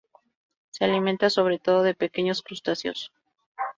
Se alimenta sobre todo de pequeños crustáceos.